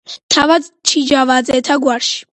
თავად ჩიჯავაძეთა გვარში.